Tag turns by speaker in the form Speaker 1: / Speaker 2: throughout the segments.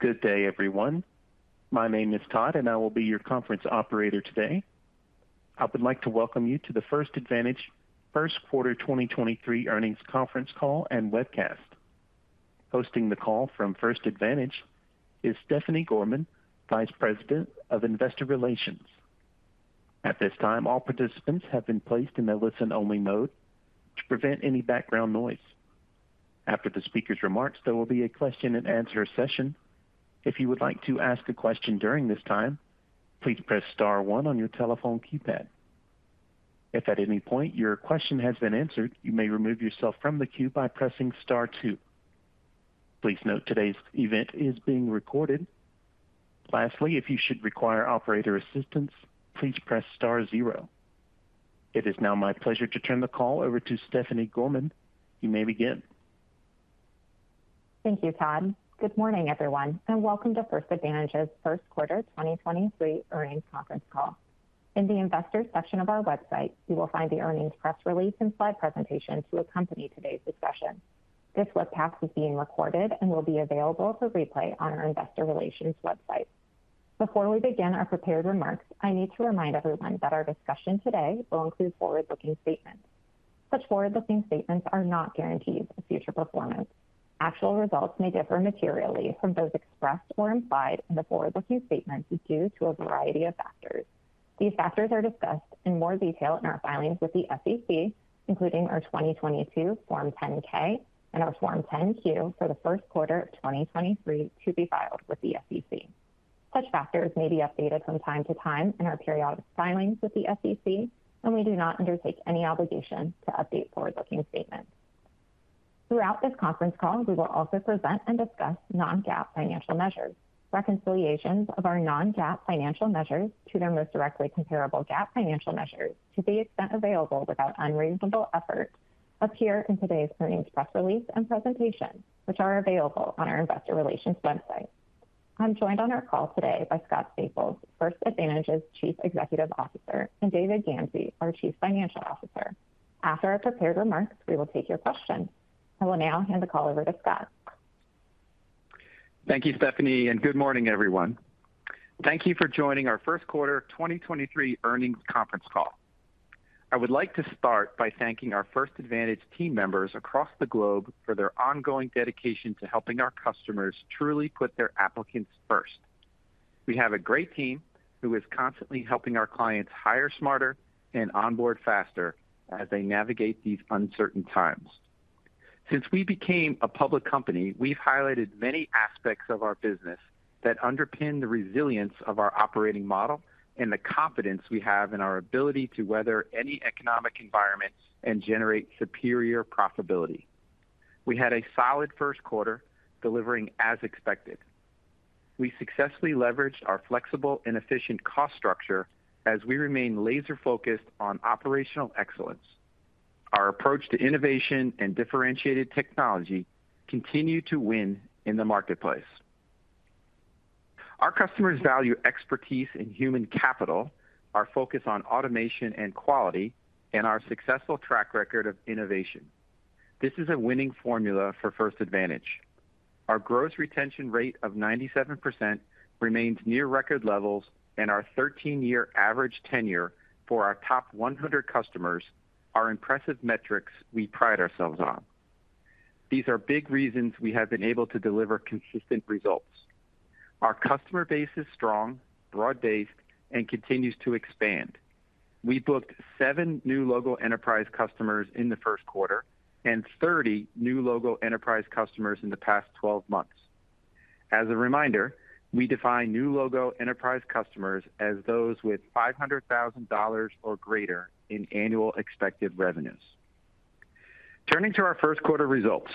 Speaker 1: Good day, everyone. My name is Todd, and I will be your conference operator today. I would like to welcome you to the First Advantage First Quarter 2023 Earnings conference call and webcast. Hosting the call from First Advantage is Stephanie Gorman, Vice President of Investor Relations. At this time, all participants have been placed in a listen-only mode to prevent any background noise. After the speaker's remarks, there will be a question-and-answer session. If you would like to ask a question during this time, please press star one on your telephone keypad. If at any point your question has been answered, you may remove yourself from the queue by pressing star two. Please note today's event is being recorded. Lastly, if you should require operator assistance, please press star zero. It is now my pleasure to turn the call over to Stephanie Gorman. You may begin.
Speaker 2: Thank you, Todd. Good morning, everyone, and welcome to First Advantage's first quarter 2023 earnings conference call. In the Investors section of our website, you will find the earnings press release and slide presentation to accompany today's discussion. This webcast is being recorded and will be available for replay on our investor relations website. Before we begin our prepared remarks, I need to remind everyone that our discussion today will include forward-looking statements. Such forward-looking statements are not guarantees of future performance. Actual results may differ materially from those expressed or implied in the forward-looking statements due to a variety of factors. These factors are discussed in more detail in our filings with the SEC, including our 2022 Form 10-K and our Form 10-Q for the first quarter of 2023 to be filed with the SEC. Such factors may be updated from time to time in our periodic filings with the SEC, and we do not undertake any obligation to update forward-looking statements. Throughout this conference call, we will also present and discuss non-GAAP financial measures. Reconciliations of our non-GAAP financial measures to their most directly comparable GAAP financial measures, to the extent available without unreasonable effort, appear in today's earnings press release and presentation, which are available on our investor relations website. I'm joined on our call today by Scott Staples, First Advantage's Chief Executive Officer, and David Gamsey, our Chief Financial Officer. After our prepared remarks, we will take your questions. I will now hand the call over to Scott.
Speaker 3: Thank you, Stephanie. Good morning, everyone. Thank you for joining our first quarter 2023 earnings conference call. I would like to start by thanking our First Advantage team members across the globe for their ongoing dedication to helping our customers truly put their applicants first. We have a great team who is constantly helping our clients hire smarter and onboard faster as they navigate these uncertain times. Since we became a public company, we've highlighted many aspects of our business that underpin the resilience of our operating model and the confidence we have in our ability to weather any economic environment and generate superior profitability. We had a solid first quarter delivering as expected. We successfully leveraged our flexible and efficient cost structure as we remain laser-focused on operational excellence. Our approach to innovation and differentiated technology continue to win in the marketplace. Our customers value expertise in human capital, our focus on automation and quality, and our successful track record of innovation. This is a winning formula for First Advantage. Our gross retention rate of 97% remains near record levels, and our 13-year average tenure for our top 100 customers are impressive metrics we pride ourselves on. These are big reasons we have been able to deliver consistent results. Our customer base is strong, broad-based, and continues to expand. We booked 7 new logo enterprise customers in the first quarter and 30 new logo enterprise customers in the past 12 months. As a reminder, we define new logo enterprise customers as those with $500,000 or greater in annual expected revenues. Turning to our first quarter results.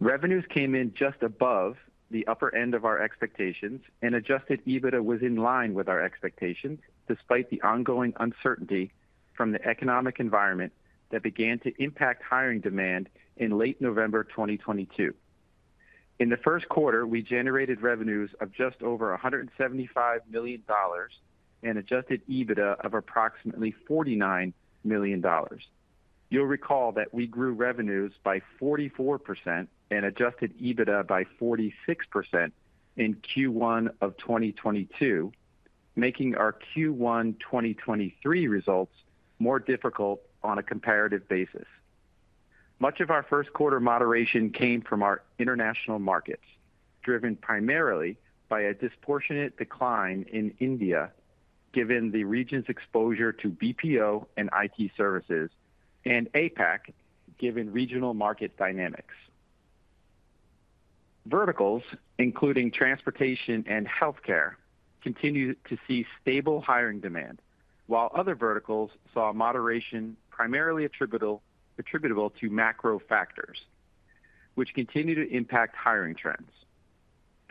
Speaker 3: Revenues came in just above the upper end of our expectations, and adjusted EBITDA was in line with our expectations, despite the ongoing uncertainty from the economic environment that began to impact hiring demand in late November 2022. In the first quarter, we generated revenues of just over $175 million and adjusted EBITDA of approximately $49 million. You'll recall that we grew revenues by 44% and adjusted EBITDA by 46% in Q1 of 2022, making our Q1 2023 results more difficult on a comparative basis. Much of our first quarter moderation came from our international markets, driven primarily by a disproportionate decline in India, given the region's exposure to BPO and IT services, and APAC, given regional market dynamics. Verticals, including transportation and healthcare, continued to see stable hiring demand, while other verticals saw moderation primarily attributable to macro factors which continue to impact hiring trends.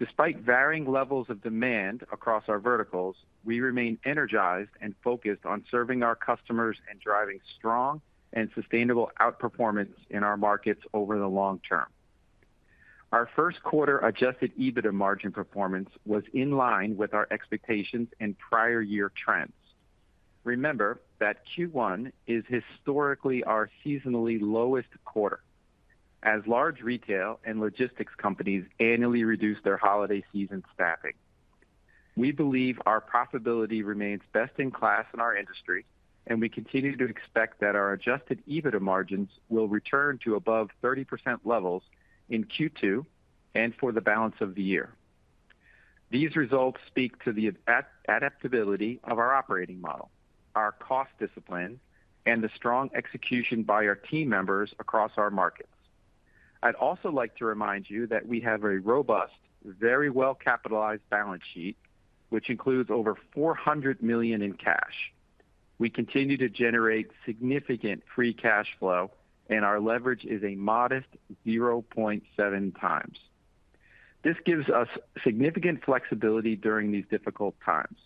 Speaker 3: Despite varying levels of demand across our verticals, we remain energized and focused on serving our customers and driving strong and sustainable outperformance in our markets over the long term. Our first quarter adjusted EBITDA margin performance was in line with our expectations and prior year trends. Remember that Q1 is historically our seasonally lowest quarter as large retail and logistics companies annually reduce their holiday season staffing. We believe our profitability remains best in class in our industry, and we continue to expect that our adjusted EBITDA margins will return to above 30% levels in Q2 and for the balance of the year. These results speak to the adaptability of our operating model, our cost discipline, and the strong execution by our team members across our markets. I'd also like to remind you that we have a robust, very well-capitalized balance sheet, which includes over $400 million in cash. We continue to generate significant free cash flow, and our leverage is a modest 0.7 times. This gives us significant flexibility during these difficult times.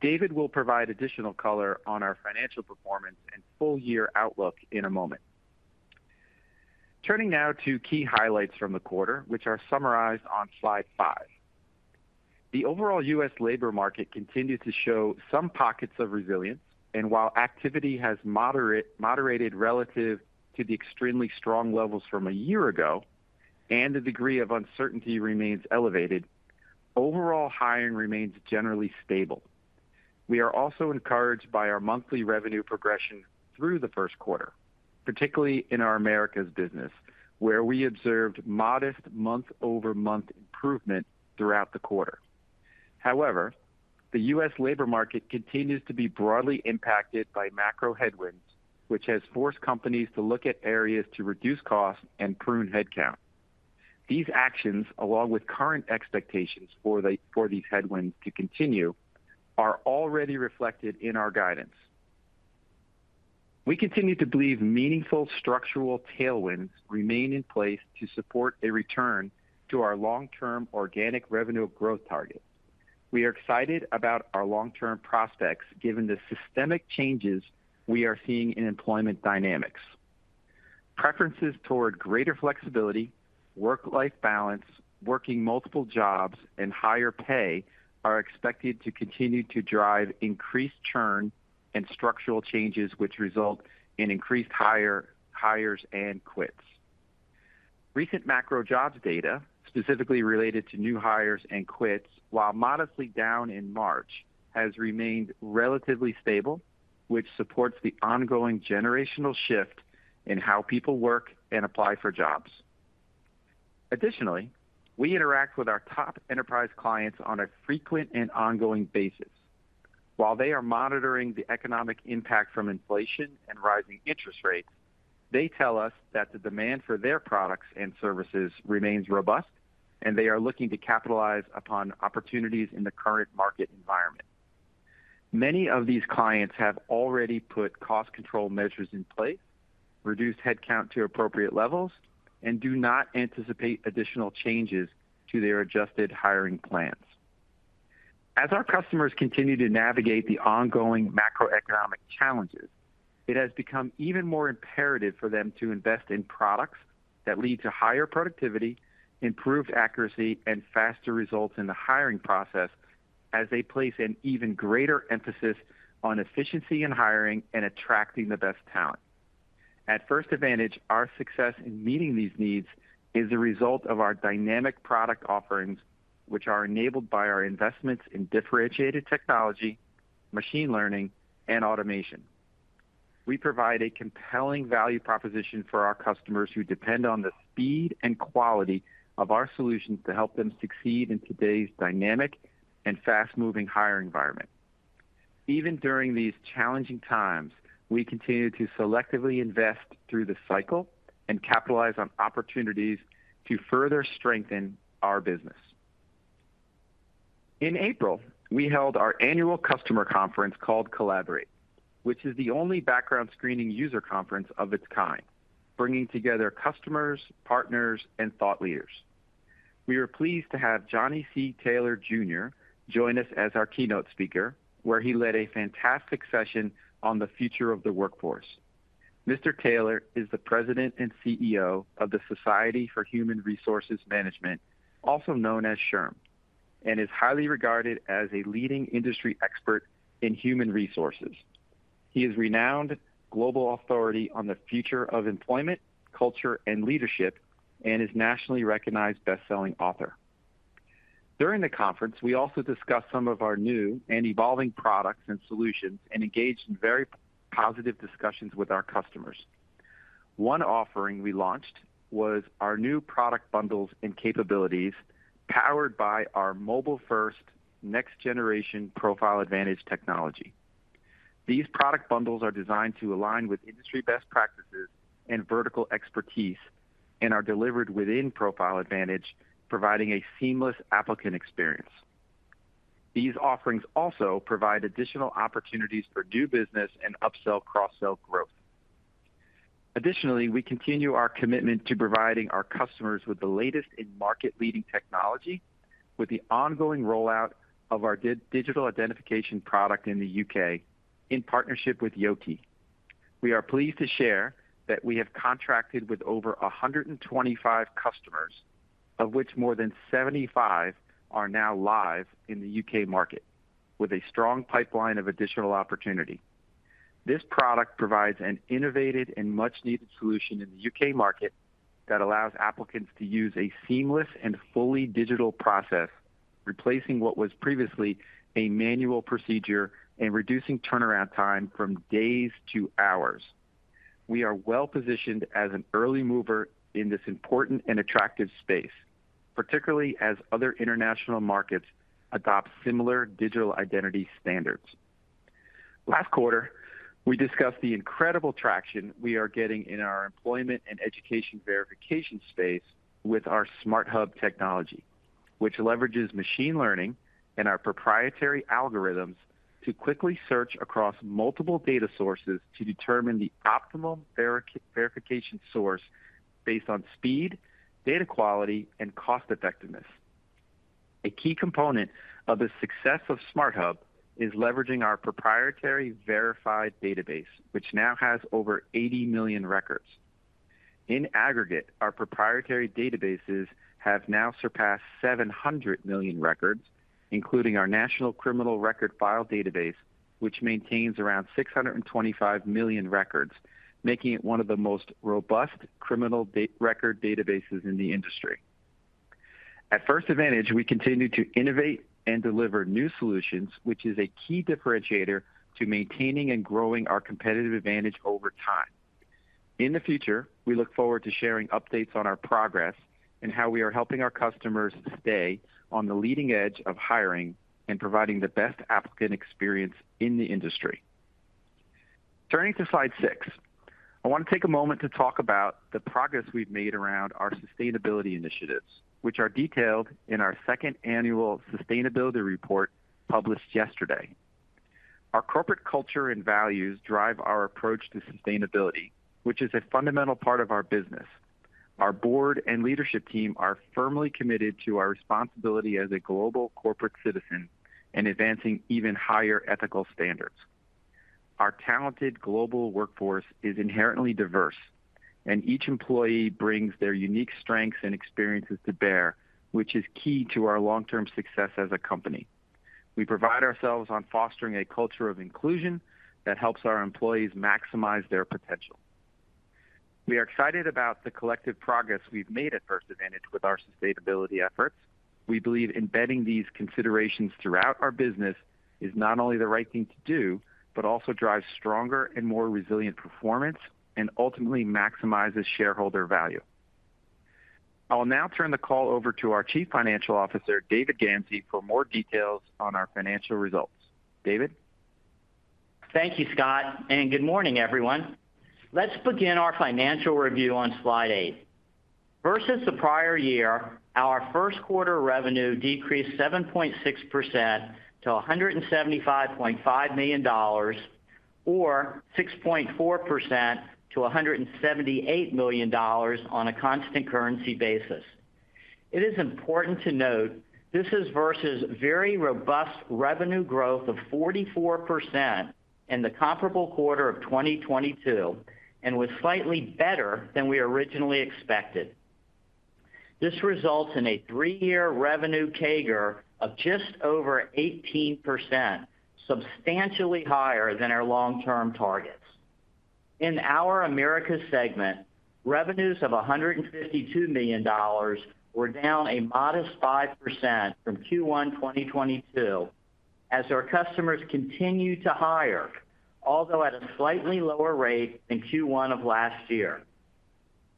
Speaker 3: David will provide additional color on our financial performance and full year outlook in a moment. Turning now to key highlights from the quarter, which are summarized on slide 5. The overall U.S. labor market continued to show some pockets of resilience, and while activity has moderated relative to the extremely strong levels from a year ago, and the degree of uncertainty remains elevated, overall hiring remains generally stable. We are also encouraged by our monthly revenue progression through the first quarter, particularly in our Americas business, where we observed modest month-over-month improvement throughout the quarter. The U.S. labor market continues to be broadly impacted by macro headwinds, which has forced companies to look at areas to reduce costs and prune headcount. These actions, along with current expectations for these headwinds to continue, are already reflected in our guidance. We continue to believe meaningful structural tailwinds remain in place to support a return to our long-term organic revenue growth targets. We are excited about our long-term prospects given the systemic changes we are seeing in employment dynamics. Preferences toward greater flexibility, work-life balance, working multiple jobs, and higher pay are expected to continue to drive increased churn and structural changes which result in increased hires and quits. Recent macro jobs data, specifically related to new hires and quits, while modestly down in March, has remained relatively stable, which supports the ongoing generational shift in how people work and apply for jobs. Additionally, we interact with our top enterprise clients on a frequent and ongoing basis. While they are monitoring the economic impact from inflation and rising interest rates, they tell us that the demand for their products and services remains robust, and they are looking to capitalize upon opportunities in the current market environment. Many of these clients have already put cost control measures in place, reduced headcount to appropriate levels, and do not anticipate additional changes to their adjusted hiring plans. As our customers continue to navigate the ongoing macroeconomic challenges, it has become even more imperative for them to invest in products that lead to higher productivity, improved accuracy, and faster results in the hiring process as they place an even greater emphasis on efficiency in hiring and attracting the best talent. At First Advantage, our success in meeting these needs is a result of our dynamic product offerings, which are enabled by our investments in differentiated technology, machine learning, and automation. We provide a compelling value proposition for our customers who depend on the speed and quality of our solutions to help them succeed in today's dynamic and fast-moving hiring environment. Even during these challenging times, we continue to selectively invest through the cycle and capitalize on opportunities to further strengthen our business. In April, we held our annual customer conference called Collaborate, which is the only background screening user conference of its kind, bringing together customers, partners, and thought leaders. We were pleased to have Johnny C. Taylor, Jr. join us as our keynote speaker, where he led a fantastic session on the future of the workforce. Mr. Taylor is the President and Chief Executive Officer of the Society for Human Resource Management, also known as SHRM, and is highly regarded as a leading industry expert in human resources. He is renowned global authority on the future of employment, culture, and leadership, and is nationally recognized best-selling author. During the conference, we also discussed some of our new and evolving products and solutions and engaged in very positive discussions with our customers. One offering we launched was our new product bundles and capabilities powered by our mobile-first next-generation Profile Advantage technology. These product bundles are designed to align with industry best practices and vertical expertise and are delivered within Profile Advantage, providing a seamless applicant experience. These offerings also provide additional opportunities for new business and upsell, cross-sell growth. We continue our commitment to providing our customers with the latest in market-leading technology with the ongoing rollout of our digital identity product in the U.K. in partnership with Yoti. We are pleased to share that we have contracted with over 125 customers, of which more than 75 are now live in the U.K. market with a strong pipeline of additional opportunity. This product provides an innovative and much-needed solution in the U.K. market that allows applicants to use a seamless and fully digital process, replacing what was previously a manual procedure and reducing turnaround time from days to hours. We are well positioned as an early mover in this important and attractive space, particularly as other international markets adopt similar digital identity standards. Last quarter, we discussed the incredible traction we are getting in our employment and education verification space with our SmartHub technology, which leverages machine learning and our proprietary algorithms to quickly search across multiple data sources to determine the optimal verification source based on speed, data quality, and cost effectiveness. A key component of the success of SmartHub is leveraging our proprietary Verified! database, which now has over 80 million records. In aggregate, our proprietary databases have now surpassed 700 million records, including our National Criminal Record File database, which maintains around 625 million records, making it one of the most robust criminal record databases in the industry. At First Advantage, we continue to innovate and deliver new solutions, which is a key differentiator to maintaining and growing our competitive advantage over time. In the future, we look forward to sharing updates on our progress and how we are helping our customers stay on the leading edge of hiring and providing the best applicant experience in the industry. Turning to slide 6, I want to take a moment to talk about the progress we've made around our sustainability initiatives, which are detailed in our second annual sustainability report published yesterday. Our corporate culture and values drive our approach to sustainability, which is a fundamental part of our business. Our board and leadership team are firmly committed to our responsibility as a global corporate citizen in advancing even higher ethical standards. Our talented global workforce is inherently diverse, and each employee brings their unique strengths and experiences to bear, which is key to our long-term success as a company. We pride ourselves on fostering a culture of inclusion that helps our employees maximize their potential. We are excited about the collective progress we've made at First Advantage with our sustainability efforts. We believe embedding these considerations throughout our business is not only the right thing to do, but also drives stronger and more resilient performance and ultimately maximizes shareholder value. I will now turn the call over to our Chief Financial Officer, David Gamsey, for more details on our financial results. David?
Speaker 4: Thank you, Scott. Good morning, everyone. Let's begin our financial review on slide 8. Versus the prior year, our first quarter revenue decreased 7.6% to $175.5 million or 6.4% to $178 million on a constant currency basis. It is important to note this is versus very robust revenue growth of 44% in the comparable quarter of 2022, and was slightly better than we originally expected. This results in a three-year revenue CAGR of just over 18%, substantially higher than our long-term targets. In our Americas segment, revenues of $152 million were down a modest 5% from Q1 2022 as our customers continued to hire, although at a slightly lower rate in Q1 of last year.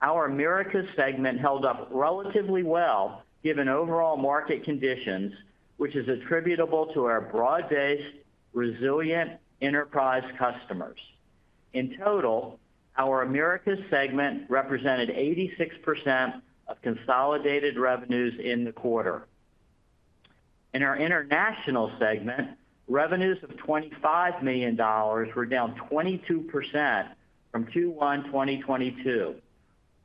Speaker 4: Our Americas segment held up relatively well given overall market conditions, which is attributable to our broad-based, resilient enterprise customers. In total, our Americas segment represented 86% of consolidated revenues in the quarter. In our international segment, revenues of $25 million were down 22% from Q1 2022.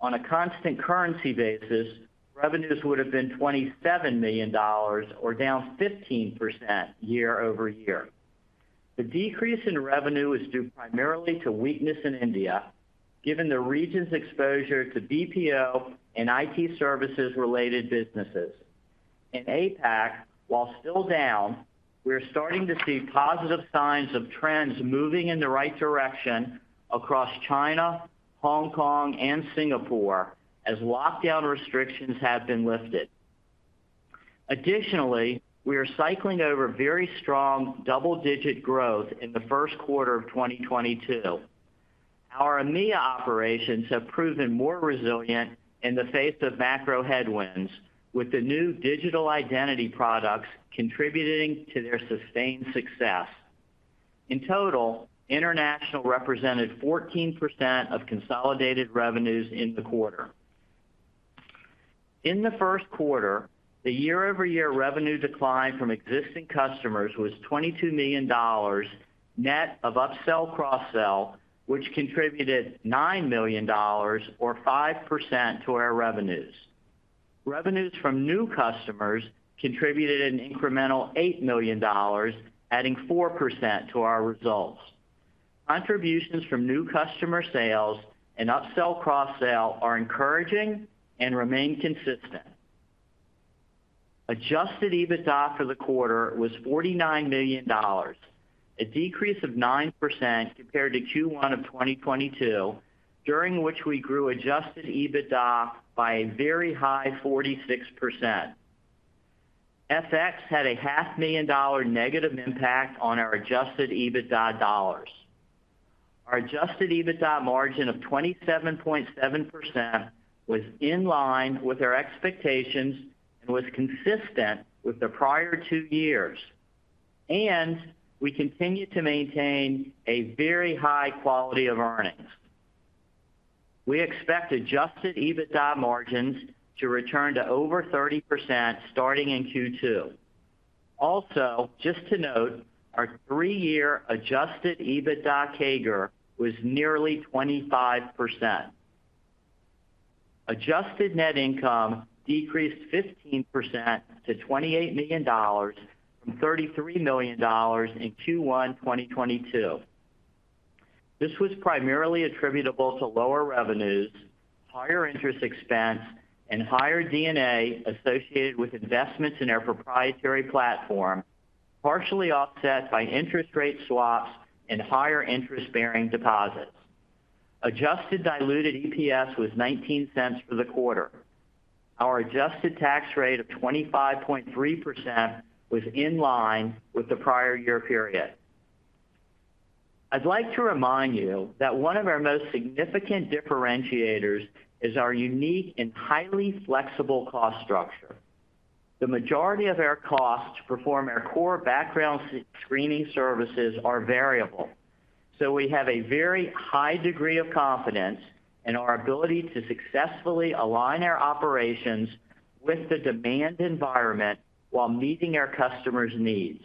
Speaker 4: On a constant currency basis, revenues would have been $27 million or down 15% year-over-year. The decrease in revenue is due primarily to weakness in India, given the region's exposure to BPO and IT services related businesses. In APAC, while still down, we are starting to see positive signs of trends moving in the right direction across China, Hong Kong, and Singapore as lockdown restrictions have been lifted. Additionally, we are cycling over very strong double-digit growth in the first quarter of 2022. Our EMEA operations have proven more resilient in the face of macro headwinds, with the new digital identity products contributing to their sustained success. In total, international represented 14% of consolidated revenues in the quarter. In the first quarter, the year-over-year revenue decline from existing customers was $22 million net of upsell cross-sell, which contributed $9 million or 5% to our revenues. Revenues from new customers contributed an incremental $8 million, adding 4% to our results. Contributions from new customer sales and upsell cross-sell are encouraging and remain consistent. Adjusted EBITDA for the quarter was $49 million, a decrease of 9% compared to Q1 of 2022, during which we grew Adjusted EBITDA by a very high 46%. FX had a half-million dollar negative impact on our Adjusted EBITDA dollars. Our adjusted EBITDA margin of 27.7% was in line with our expectations and was consistent with the prior two years, and we continue to maintain a very high quality of earnings. We expect adjusted EBITDA margins to return to over 30% starting in Q2. Also, just to note, our three-year adjusted EBITDA CAGR was nearly 25%. Adjusted net income decreased 15% to $28 million from $33 million in Q1 2022. This was primarily attributable to lower revenues, higher interest expense, and higher D&A associated with investments in our proprietary platform, partially offset by interest rate swaps and higher interest-bearing deposits. Adjusted diluted EPS was $0.19 for the quarter. Our adjusted tax rate of 25.3% was in line with the prior year period. I'd like to remind you that one of our most significant differentiators is our unique and highly flexible cost structure. The majority of our costs to perform our core background screening services are variable. We have a very high degree of confidence in our ability to successfully align our operations with the demand environment while meeting our customers' needs.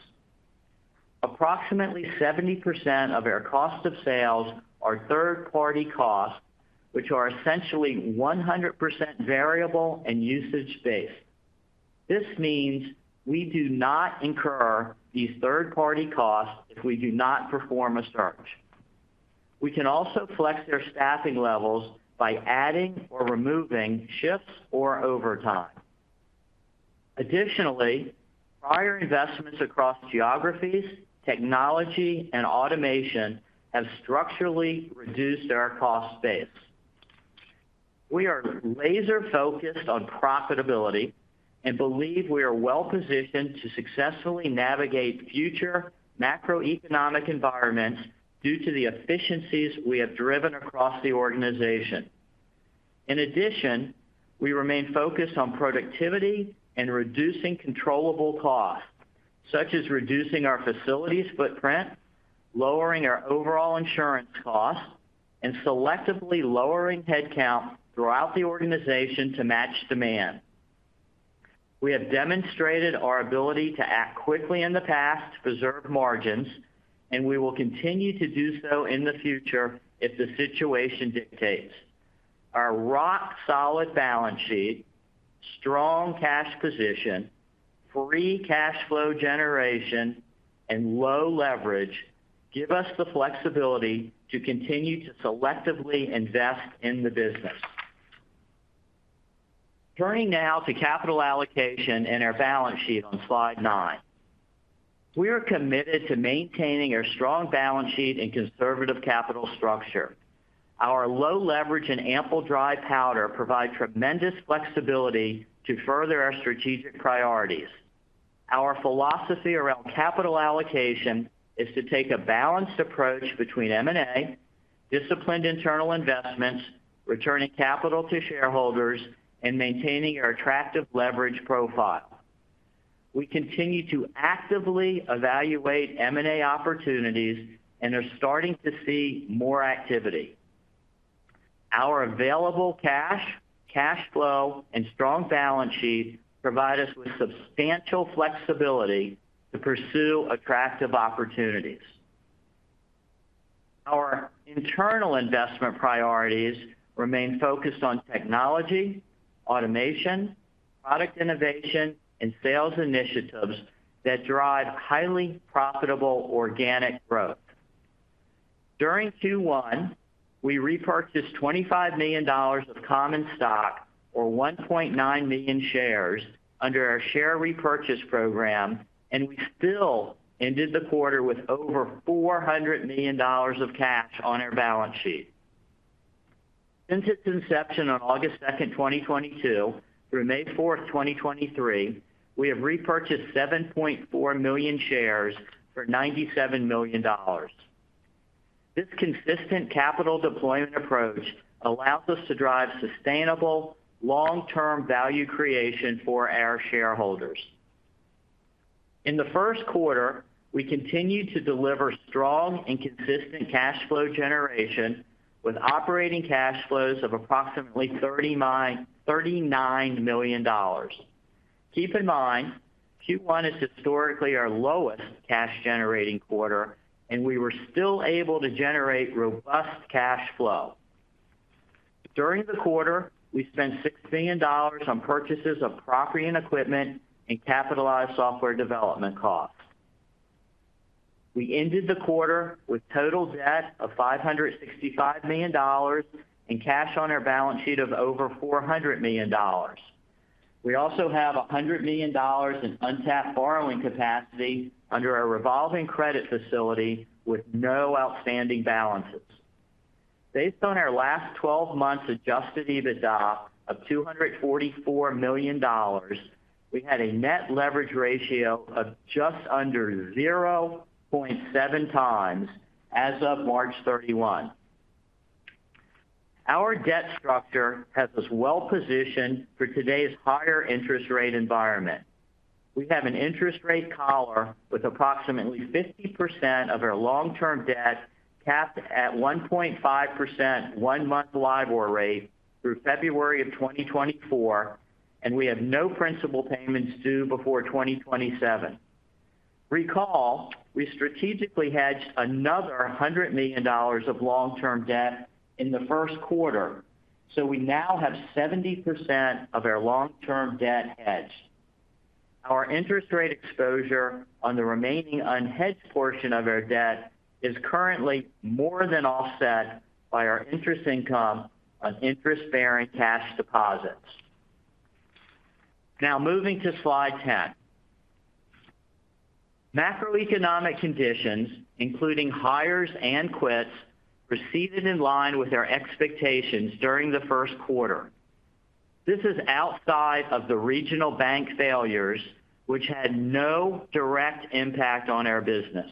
Speaker 4: Approximately 70% of our cost of sales are third-party costs, which are essentially 100% variable and usage-based. This means we do not incur these third-party costs if we do not perform a search. We can also flex their staffing levels by adding or removing shifts or overtime. Additionally, prior investments across geographies, technology, and automation have structurally reduced our cost base. We are laser-focused on profitability and believe we are well-positioned to successfully navigate future macroeconomic environments due to the efficiencies we have driven across the organization. We remain focused on productivity and reducing controllable costs, such as reducing our facilities footprint, lowering our overall insurance costs, and selectively lowering headcount throughout the organization to match demand. We have demonstrated our ability to act quickly in the past to preserve margins, and we will continue to do so in the future if the situation dictates. Our rock-solid balance sheet, strong cash position, free cash flow generation, and low leverage give us the flexibility to continue to selectively invest in the business. Turning now to capital allocation and our balance sheet on slide 9. We are committed to maintaining our strong balance sheet and conservative capital structure. Our low leverage and ample dry powder provide tremendous flexibility to further our strategic priorities. Our philosophy around capital allocation is to take a balanced approach between M&A, disciplined internal investments, returning capital to shareholders, and maintaining our attractive leverage profile. We continue to actively evaluate M&A opportunities and are starting to see more activity. Our available cash flow, and strong balance sheet provide us with substantial flexibility to pursue attractive opportunities. Our internal investment priorities remain focused on technology, automation, product innovation, and sales initiatives that drive highly profitable organic growth. During Q1, we repurchased $25 million of common stock or 1.9 million shares under our share repurchase program, and we still ended the quarter with over $400 million of cash on our balance sheet. Since its inception on August 2, 2022 through May 4, 2023, we have repurchased 7.4 million shares for $97 million. This consistent capital deployment approach allows us to drive sustainable long-term value creation for our shareholders. In the first quarter, we continued to deliver strong and consistent cash flow generation with operating cash flows of approximately $39 million. Keep in mind, Q1 is historically our lowest cash-generating quarter, and we were still able to generate robust cash flow. During the quarter, we spent $6 billion on purchases of property and equipment and capitalized software development costs. We ended the quarter with total debt of $565 million and cash on our balance sheet of over $400 million. We also have $100 million in untapped borrowing capacity under our revolving credit facility with no outstanding balances. Based on our last 12 months adjusted EBITDA of $244 million, we had a net leverage ratio of just under 0.7 times as of March 31. Our debt structure has us well-positioned for today's higher interest rate environment. We have an interest rate collar with approximately 50% of our long-term debt capped at 1.5% 1-month LIBOR rate through February of 2024. We have no principal payments due before 2027. Recall, we strategically hedged another $100 million of long-term debt in the 1st quarter. We now have 70% of our long-term debt hedged. Our interest rate exposure on the remaining unhedged portion of our debt is currently more than offset by our interest income on interest-bearing cash deposits. Moving to slide 10. Macroeconomic conditions, including hires and quits, proceeded in line with our expectations during the first quarter. This is outside of the regional bank failures, which had no direct impact on our business.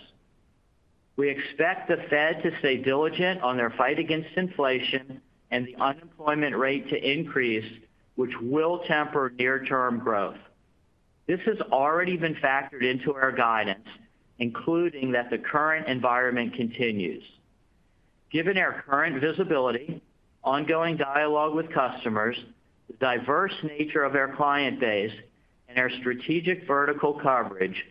Speaker 4: We expect the Fed to stay diligent on their fight against inflation and the unemployment rate to increase, which will temper near-term growth. This has already been factored into our guidance, including that the current environment continues. Given our current visibility, ongoing dialogue with customers, the diverse nature of our client base, and our strategic vertical coverage,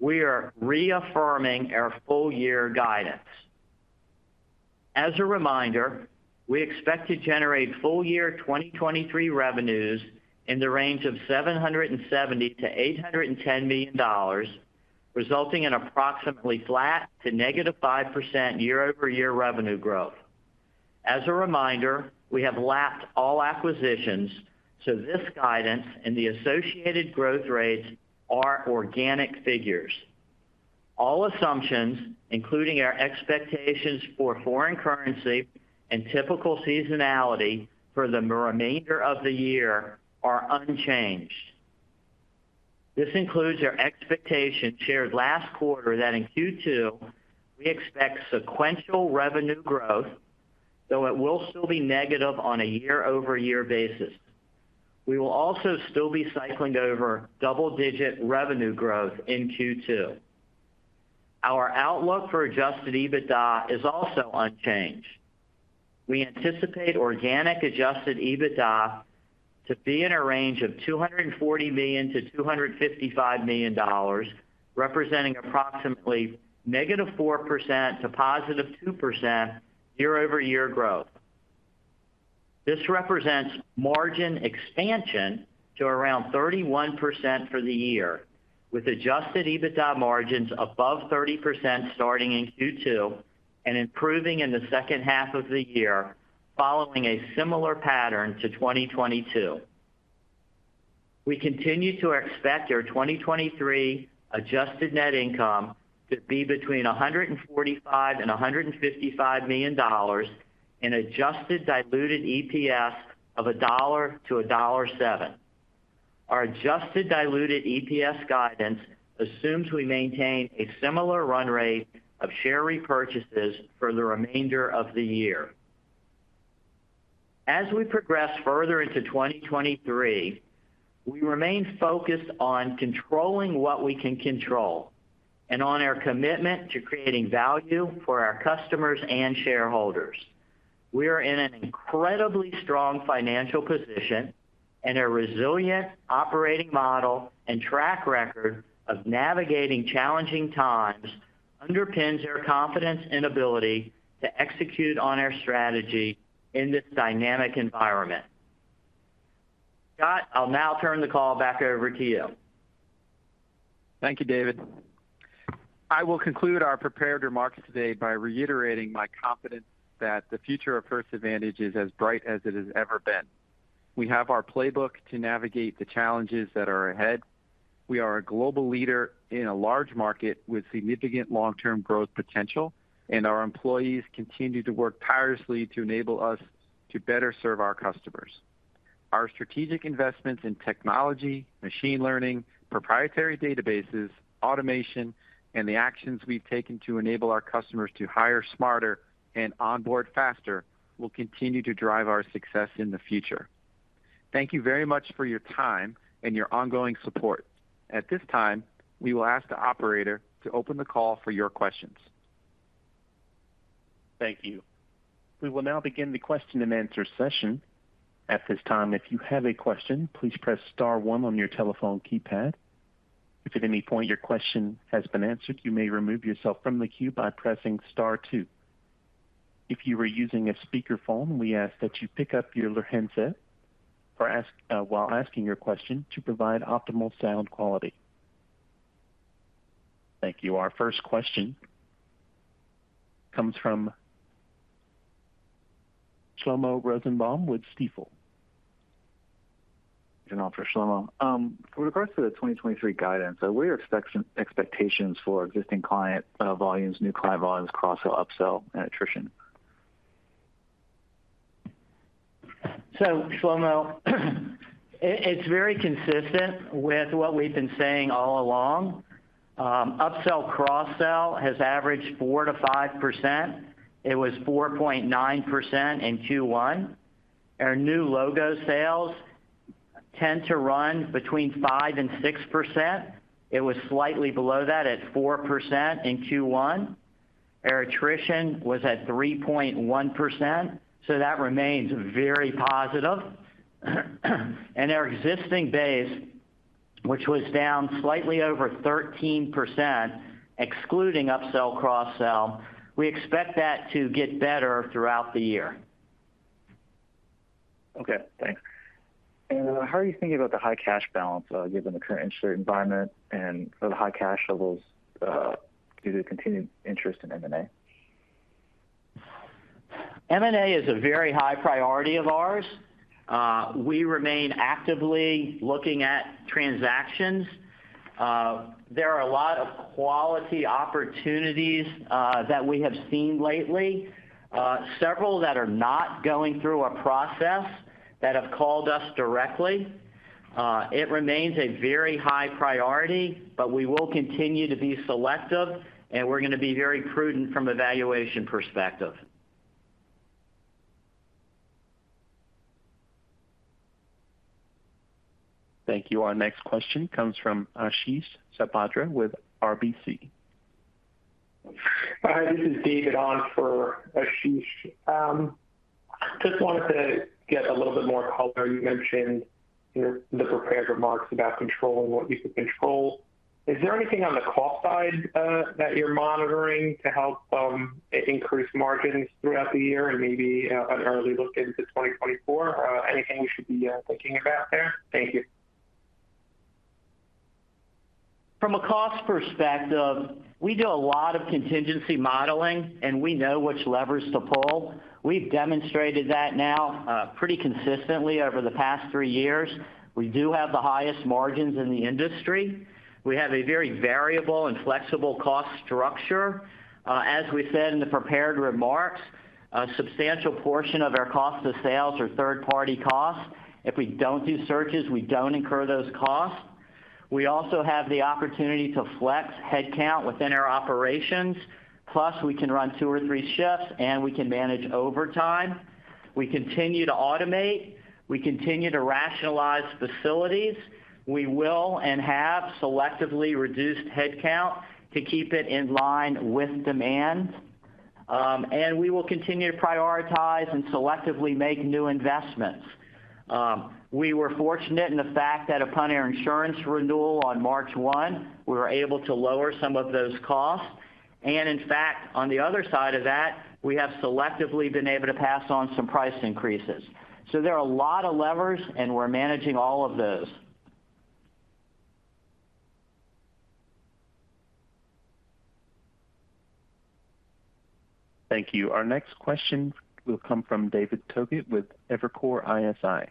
Speaker 4: we are reaffirming our full-year guidance. As a reminder, we expect to generate full-year 2023 revenues in the range of $770 million-$810 million, resulting in approximately flat to -5% year-over-year revenue growth. As a reminder, we have lapped all acquisitions, so this guidance and the associated growth rates are organic figures. All assumptions, including our expectations for foreign currency and typical seasonality for the remainder of the year, are unchanged. This includes our expectation shared last quarter that in Q2 we expect sequential revenue growth, though it will still be negative on a year-over-year basis. We will also still be cycling over double-digit revenue growth in Q2. Our outlook for adjusted EBITDA is also unchanged. We anticipate organic adjusted EBITDA to be in a range of $240 million-$255 million, representing approximately -4% to +2% year-over-year growth. This represents margin expansion to around 31% for the year, with adjusted EBITDA margins above 30% starting in Q2 and improving in the second half of the year, following a similar pattern to 2022. We continue to expect our 2023 adjusted net income to be between $145 million and $155 million and adjusted diluted EPS of $1.00 to $1.07. Our adjusted diluted EPS guidance assumes we maintain a similar run rate of share repurchases for the remainder of the year. As we progress further into 2023, we remain focused on controlling what we can control and on our commitment to creating value for our customers and shareholders. We are in an incredibly strong financial position, and our resilient operating model and track record of navigating challenging times underpins our confidence and ability to execute on our strategy in this dynamic environment. Scott, I'll now turn the call back over to you.
Speaker 3: Thank you, David. I will conclude our prepared remarks today by reiterating my confidence that the future of First Advantage is as bright as it has ever been. We have our playbook to navigate the challenges that are ahead. We are a global leader in a large market with significant long-term growth potential, and our employees continue to work tirelessly to enable us to better serve our customers. Our strategic investments in technology, machine learning, proprietary databases, automation, and the actions we've taken to enable our customers to hire smarter and onboard faster will continue to drive our success in the future. Thank you very much for your time and your ongoing support. At this time, we will ask the operator to open the call for your questions.
Speaker 1: Thank you. We will now begin the question-and-answer session. At this time, if you have a question, please press star 1 on your telephone keypad. If at any point your question has been answered, you may remove yourself from the queue by pressing star 2. If you are using a speakerphone, we ask that you pick up your handset while asking your question to provide optimal sound quality. Thank you. Our first question comes from Shlomo Rosenbaum with Stifel.
Speaker 5: On for Shlomo. With regards to the 2023 guidance, what are expectations for existing client volumes, new client volumes, cross-sell, upsell, and attrition?
Speaker 4: Shlomo, it's very consistent with what we've been saying all along. Upsell, cross-sell has averaged 4%-5%. It was 4.9% in Q1. Our new logo sales tend to run between 5%-6%. It was slightly below that at 4% in Q1. Our attrition was at 3.1%, so that remains very positive. Our existing base, which was down slightly over 13%, excluding upsell, cross-sell, we expect that to get better throughout the year.
Speaker 3: Okay, thanks. How are you thinking about the high cash balance given the current interest rate environment and the high cash levels due to continued interest in M&A?
Speaker 4: M&A is a very high priority of ours. We remain actively looking at transactions. There are a lot of quality opportunities, that we have seen lately, several that are not going through a process that have called us directly. It remains a very high priority. We will continue to be selective, and we're gonna be very prudent from a valuation perspective.
Speaker 1: Thank you. Our next question comes from Ashish Sabadra with RBC.
Speaker 6: Hi, this is David on for Ashish. Just wanted to get a little bit more color. You mentioned in the prepared remarks about controlling what you could control. Is there anything on the cost side that you're monitoring to help increase margins throughout the year and maybe an early look into 2024? Anything we should be thinking about there? Thank you.
Speaker 4: From a cost perspective, we do a lot of contingency modeling. We know which levers to pull. We've demonstrated that now, pretty consistently over the past three years. We do have the highest margins in the industry. We have a very variable and flexible cost structure. As we said in the prepared remarks, a substantial portion of our cost of sales are third-party costs. If we don't do searches, we don't incur those costs. We also have the opportunity to flex headcount within our operations, plus we can run 2 or 3 shifts. We can manage overtime. We continue to automate. We continue to rationalize facilities. We will and have selectively reduced headcount to keep it in line with demand. We will continue to prioritize and selectively make new investments. We were fortunate in the fact that upon our insurance renewal on March one, we were able to lower some of those costs. In fact, on the other side of that, we have selectively been able to pass on some price increases. There are a lot of levers, and we're managing all of those.
Speaker 1: Thank you. Our next question will come from David Togut with Evercore ISI.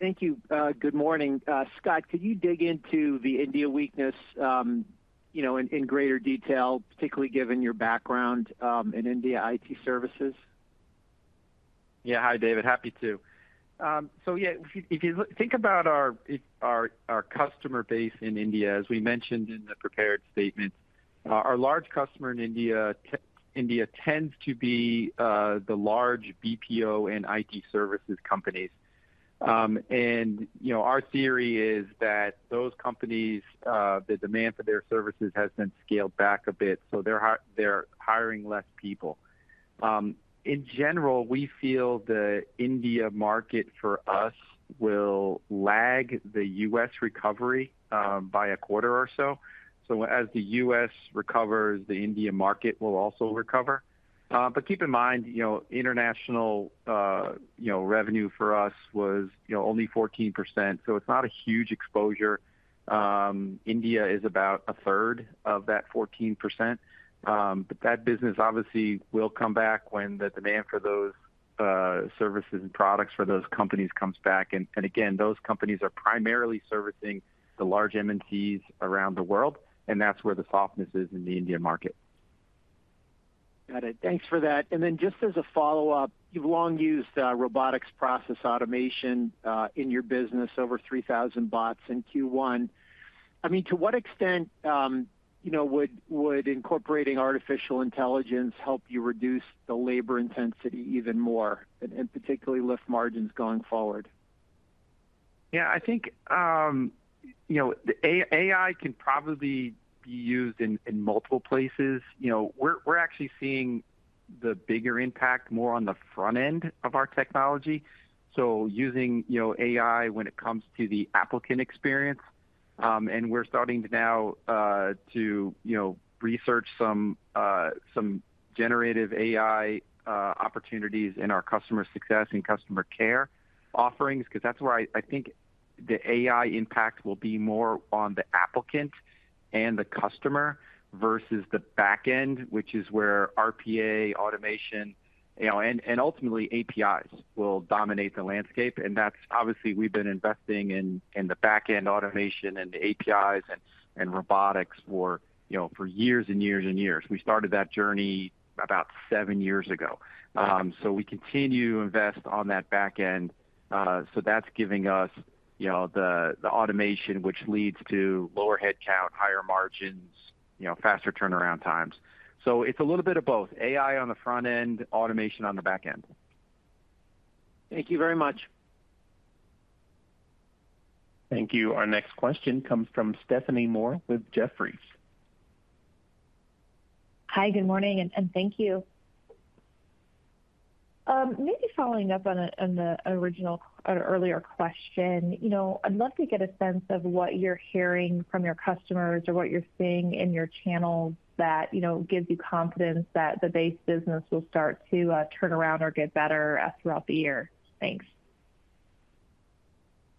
Speaker 7: Thank you. Good morning. Scott, could you dig into the India weakness in greater detail, particularly given your background, in India IT services?
Speaker 3: Yeah. Hi, David. Happy to. Yeah, if you think about our customer base in India, as we mentioned in the prepared statement, our large customer in India tends to be the large BPO and IT services companies., our theory is that those companies, the demand for their services has been scaled back a bit, so they're hiring less people. In general, we feel the India market for us will lag the U.S. recovery by a quarter or so. As the U.S. recovers, the India market will also recover. Keep in mind international revenue for us was only 14%, so it's not a huge exposure. India is about a third of that 14%. That business obviously will come back when the demand for those services and products for those companies comes back. Again, those companies are primarily servicing the large MNCs around the world, and that's where the softness is in the India market.
Speaker 7: Got it. Thanks for that. Just as a follow-up, you've long used robotics process automation in your business, over 3,000 bots in Q1. I mean, to what extent would incorporating artificial intelligence help you reduce the labor intensity even more and particularly lift margins going forward?
Speaker 3: Yeah, I think AI can probably be used in multiple places., we're actually seeing the bigger impact more on the front end of our technology, so using AI when it comes to the applicant experience. And we're starting to now to research some generative AI opportunities in our customer success and customer care offerings, 'cause that's where I think the AI impact will be more on the applicant and the customer versus the back end, which is where RPA automation and ultimately APIs will dominate the landscape. That's obviously we've been investing in the back-end automation and the APIs and robotics for for years and years and years. We started that journey about seven years ago.
Speaker 4: Mm-hmm.
Speaker 3: We continue to invest on that back end. That's giving us the automation which leads to lower headcount, higher margins faster turnaround times. It's a little bit of both. AI on the front end, automation on the back end.
Speaker 4: Thank you very much.
Speaker 1: Thank you. Our next question comes from Stephanie Moore with Jefferies.
Speaker 8: Hi, good morning, and thank you. Maybe following up on the original or earlier question I'd love to get a sense of what you're hearing from your customers or what you're seeing in your channels that gives you confidence that the base business will start to turn around or get better throughout the year. Thanks.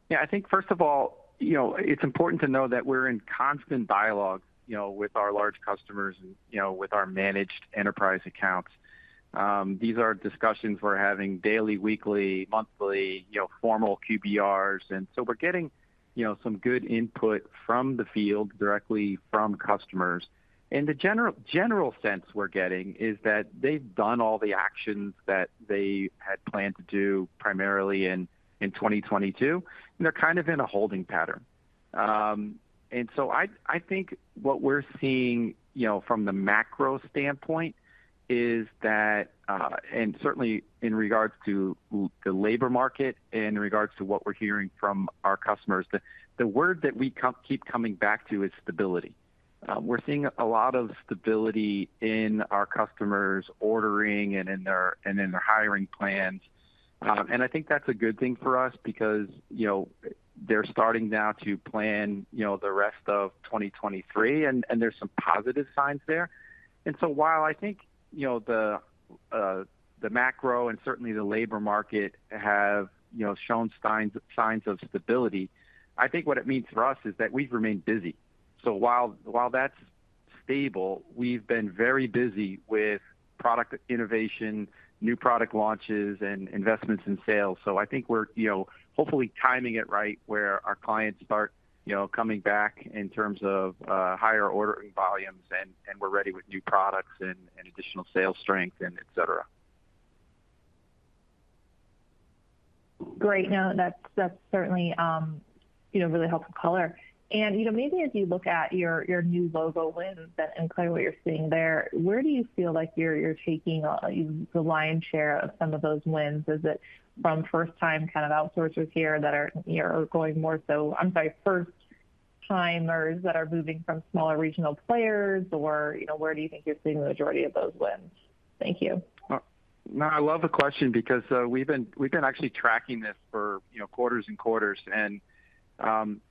Speaker 3: Yeah, I think first of all it's important to know that we're in constant dialogue with our large customers and with our managed enterprise accounts. These are discussions we're having daily, weekly, monthly formal QBRs. We're getting some good input from the field directly from customers. The general sense we're getting is that they've done all the actions that they had planned to do primarily in 2022, and they're kind of in a holding pattern. I think what we're seeing from the macro standpoint is that, and certainly in regards to the labor market, in regards to what we're hearing from our customers, the word that we keep coming back to is stability. We're seeing a lot of stability in our customers' ordering and in their hiring plans. I think that's a good thing for us because they're starting now to plan the rest of 2023, and there's some positive signs there. While I think the macro and certainly the labor market have shown signs of stability, I think what it means for us is that we've remained busy. While that's stable, we've been very busy with product innovation, new product launches, and investments in sales. I think we're hopefully timing it right where our clients start coming back in terms of higher ordering volumes, and we're ready with new products and additional sales strength and et cetera.
Speaker 8: Great. No, that's certainly really helpful color., maybe as you look at your new logo wins and clearly what you're seeing there, where do you feel like you're taking the lion's share of some of those wins? Is it from first-time kind of outsourcers here that are are going first-timers that are moving from smaller regional players or where do you think you're seeing the majority of those wins? Thank you.
Speaker 3: No, I love the question because, we've been actually tracking this for quarters and quarters, and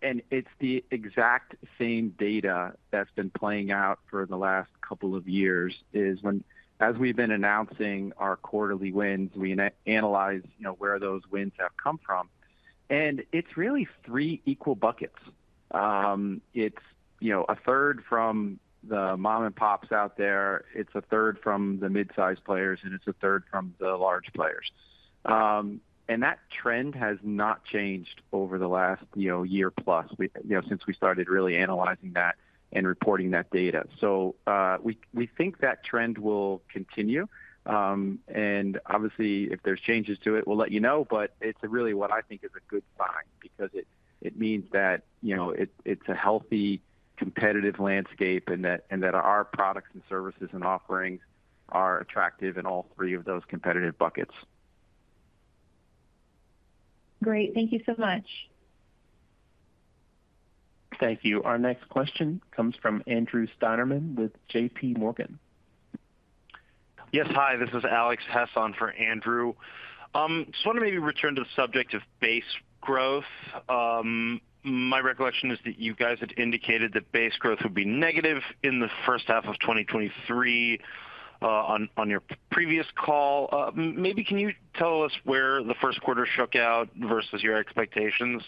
Speaker 3: it's the exact same data that's been playing out for the last couple of years, is when as we've been announcing our quarterly wins, we analyze where those wins have come from. It's really three equal buckets. it's a third from the mom-and-pops out there, it's a third from the mid-size players, and it's a third from the large players. That trend has not changed over the last year plus., since we started really analyzing that and reporting that data. We think that trend will continue. Obviously if there's changes to it, we'll let, but it's really what I think is a good sign because it means that it's a healthy, competitive landscape and that our products and services and offerings are attractive in all three of those competitive buckets.
Speaker 8: Great. Thank you so much.
Speaker 1: Thank you. Our next question comes from Andrew Steinerman with J.P. Morgan.
Speaker 9: Yes. Hi, this is Alex Hess on for Andrew. just wanna maybe return to the subject of base growth. my recollection is that you guys had indicated that base growth would be negative in the first half of 2023 on your previous call. maybe can you tell us where the first quarter shook out versus your expectations?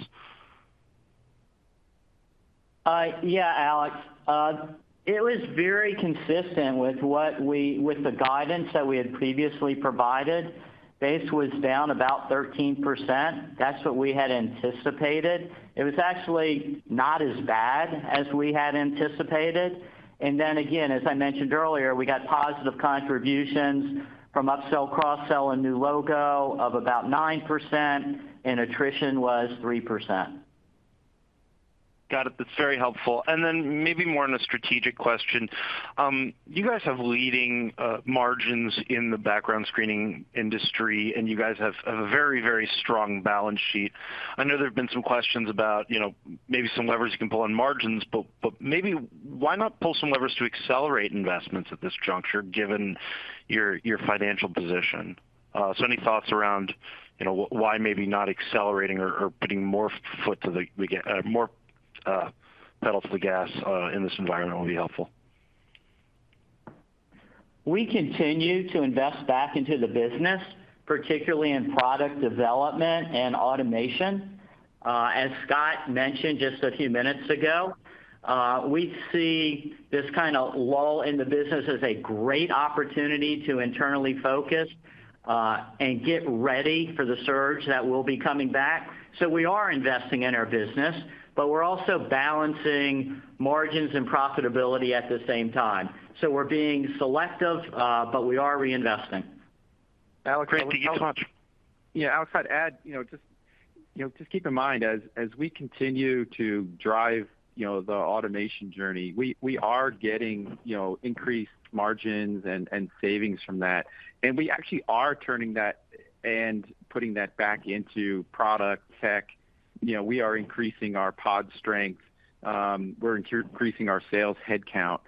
Speaker 4: Yeah, Alex. It was very consistent with the guidance that we had previously provided. Base was down about 13%. That's what we had anticipated. It was actually not as bad as we had anticipated. Then again, as I mentioned earlier, we got positive contributions from upsell, cross-sell, and new logo of about 9%, and attrition was 3%.
Speaker 9: Got it. That's very helpful. Then maybe more on a strategic question. You guys have leading margins in the background screening industry, and you guys have a very, very strong balance sheet. I know there have been some questions about maybe some levers you can pull on margins, but maybe why not pull some levers to accelerate investments at this juncture given your financial position? Any thoughts around why maybe not accelerating or putting more pedal to the gas in this environment will be helpful.
Speaker 4: We continue to invest back into the business, particularly in product development and automation. As Scott mentioned just a few minutes ago, we see this kind of lull in the business as a great opportunity to internally focus and get ready for the surge that will be coming back. We are investing in our business, but we're also balancing margins and profitability at the same time. We're being selective, but we are reinvesting.
Speaker 9: Alex-
Speaker 4: Great. Thank you so much.
Speaker 3: Yeah. Alex, I'd add just just keep in mind as we continue to drive the automation journey, we are getting increased margins and savings from that. We actually are turning that and putting that back into product tech. , we are increasing our pod strength. We're increasing our sales headcount.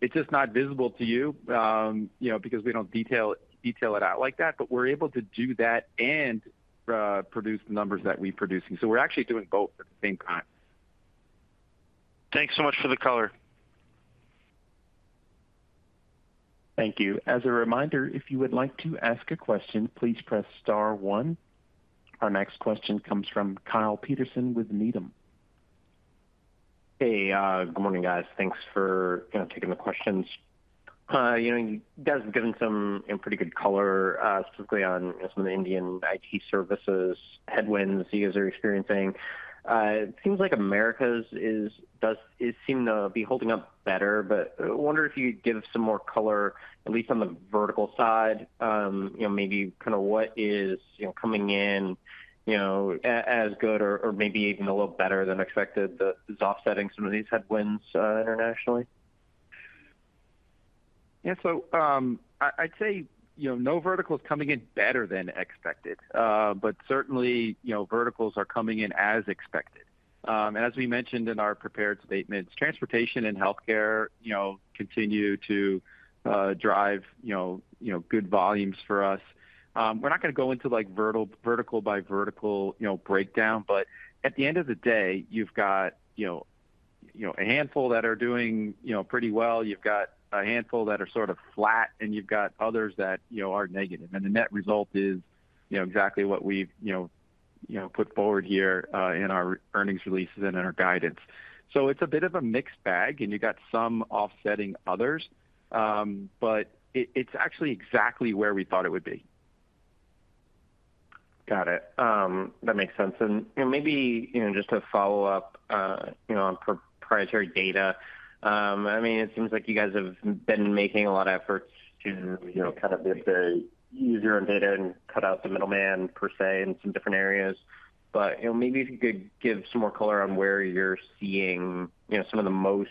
Speaker 3: It's just not visible to, because we don't detail it out like that, but we're able to do that and produce the numbers that we're producing. We're actually doing both at the same time.
Speaker 9: Thanks so much for the color.
Speaker 1: Thank you. As a reminder, if you would like to ask a question, please press star one. Our next question comes from Kyle Peterson with Needham.
Speaker 10: Hey, good morning, guys. Thanks for taking the questions., you guys have given some, and pretty good color, specifically on some of the Indian IT services headwinds you guys are experiencing. It seems like America's is it seem to be holding up better, but I wonder if you'd give some more color, at least on the vertical side., maybe kind of what is coming in, as good or maybe even a little better than expected that is offsetting some of these headwinds, internationally.
Speaker 3: I'd say no vertical is coming in better than expected. certainly verticals are coming in as expected. As we mentioned in our prepared statements, transportation and healthcare continue to drive good volumes for us. We're not gonna go into like vertical by vertical breakdown, at the end of the day, you've got a handful that are doing pretty well. You've got a handful that are sort of flat, you've got others that are negative. The net result is exactly what we've put forward here in our earnings releases and in our guidance. It's a bit of a mixed bag, you got some offsetting others. It's actually exactly where we thought it would be.
Speaker 10: Got it. That makes sense., maybe just to follow up on proprietary data. I mean, it seems like you guys have been making a lot of efforts to kind of get the user data and cut out the middleman per se in some different areas., maybe if you could give some more color on where you're seeing some of the most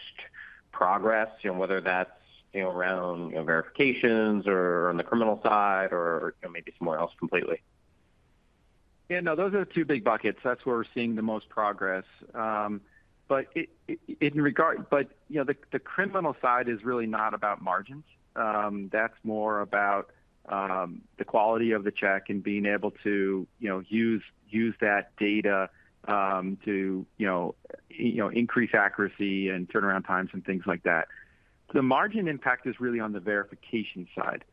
Speaker 10: progress whether that's around verifications or on the criminal side or maybe somewhere else completely?
Speaker 3: Yeah, no, those are the two big buckets. That's where we're seeing the most progress. , the criminal side is really not about margins. That's more about the quality of the check and being able to use that data increase accuracy and turnaround times and things like that. The margin impact is really on the verification side.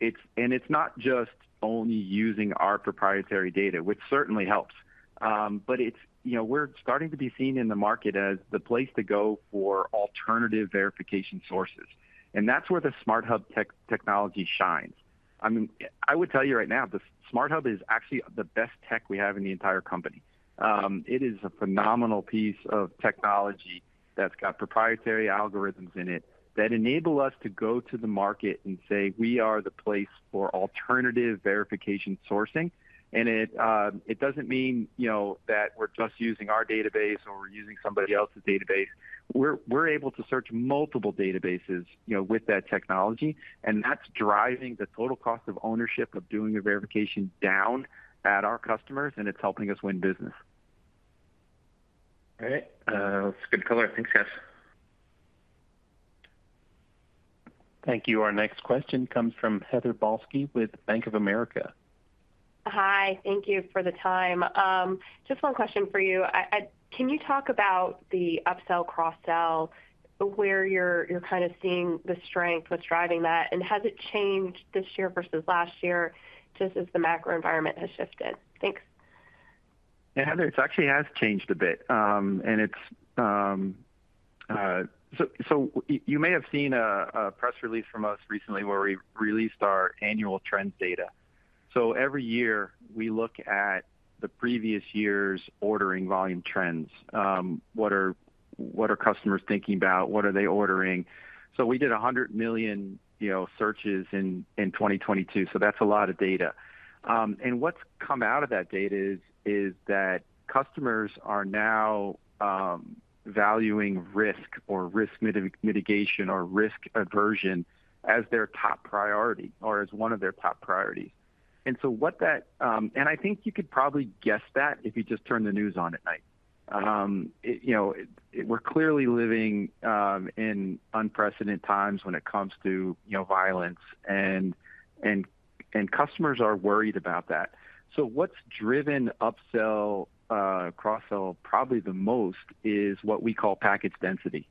Speaker 3: It's not just only using our proprietary data, which certainly helps., we're starting to be seen in the market as the place to go for alternative verification sources, and that's where the SmartHub technology shines. I mean, I would tell you right now, the SmartHub is actually the best tech we have in the entire company. It is a phenomenal piece of technology that's got proprietary algorithms in it that enable us to go to the market and say, "We are the place for alternative verification sourcing." It doesn't mean that we're just using our database or we're using somebody else's database. We're able to search multiple databases with that technology, and that's driving the total cost of ownership of doing the verification down at our customers, and it's helping us win business.
Speaker 10: All right. That's good color. Thanks, guys.
Speaker 1: Thank you. Our next question comes from Heather Balsky with Bank of America.
Speaker 9: Hi. Thank you for the time. just 1 question for you. Can you talk about the upsell, cross-sell, where you're kind of seeing the strength, what's driving that? Has it changed this year versus last year just as the macro environment has shifted? Thanks.
Speaker 3: Yeah, Heather, it actually has changed a bit. You may have seen a press release from us recently where we released our annual trends data. Every year, we look at the previous year's ordering volume trends. What are customers thinking about? What are they ordering? We did 100 million searches in 2022, so that's a lot of data. What's come out of that data is that customers are now valuing risk or risk mitigation or risk aversion as their top priority or as one of their top priorities. I think you could probably guess that if you just turn the news on at night. It,... We're clearly living in unprecedented times when it comes to violence and customers are worried about that. What's driven upsell, cross-sell probably the most is what we call package density.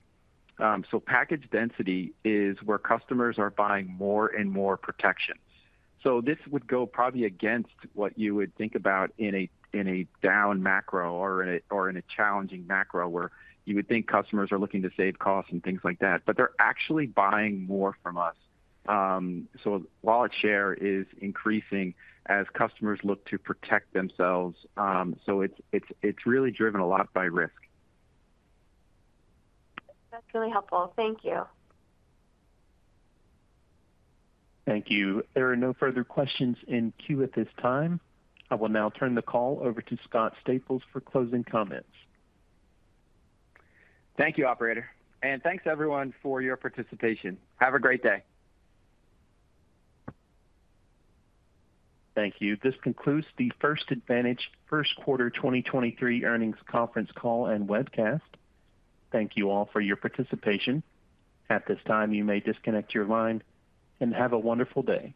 Speaker 3: Package density is where customers are buying more and more protections. This would go probably against what you would think about in a down macro or in a challenging macro, where you would think customers are looking to save costs and things like that. They're actually buying more from us. Wallet share is increasing as customers look to protect themselves. It's, it's really driven a lot by risk.
Speaker 9: That's really helpful. Thank you.
Speaker 1: Thank you. There are no further questions in queue at this time. I will now turn the call over to Scott Staples for closing comments.
Speaker 4: Thank you, operator, and thanks everyone for your participation. Have a great day.
Speaker 1: Thank you. This concludes the First Advantage first quarter 2023 earnings conference call and webcast. Thank you all for your participation. At this time, you may disconnect your line, and have a wonderful day.